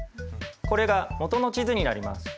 これがもとの地図になります。